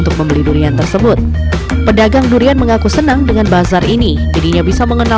durian durian tersebut juga punya nama nama unik sehingga bisa menambah daya tarik untuk membelinya